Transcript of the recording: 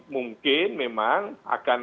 mungkin memang akan